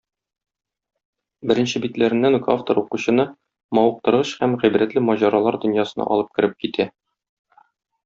Беренче битләреннән үк автор укучыны мавыктыргыч һәм гыйбрәтле маҗаралар дөньясына алып кереп китә.